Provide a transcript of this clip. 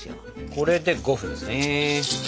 これで５分ですね。